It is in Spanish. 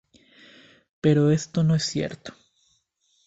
Pero esto no es cierto.